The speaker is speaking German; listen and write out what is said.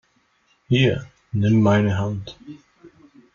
Hier, nimm meine Hand!